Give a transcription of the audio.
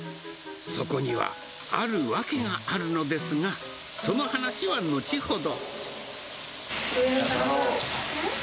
そこにはある訳があるのですが、その話は後ほど。